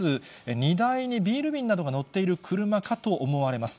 荷台にビール瓶などが載っている車かと思われます。